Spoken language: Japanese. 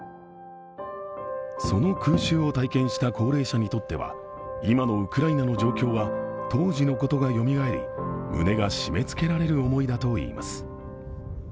その空襲を体験した高齢者にとっては今のウクライナの状況は当時のことがよみがえり胸が締めつけられる思いだといいます。